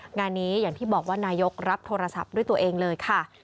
งานนี้อย่างที่บอกว่านายกรับโทรศัพท์ด้วยตัวเองเลยค่ะ